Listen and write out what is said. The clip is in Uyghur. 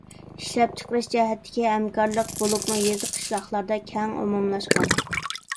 ئىشلەپچىقىرىش جەھەتتىكى ھەمكارلىق، بولۇپمۇ يېزا-قىشلاقلاردا كەڭ ئومۇملاشقان.